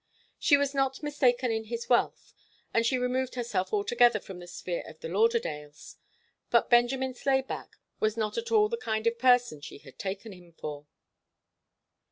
She was not mistaken in his wealth, and she removed herself altogether from the sphere of the Lauderdales, but Benjamin Slayback was not at all the kind of person she had taken him for.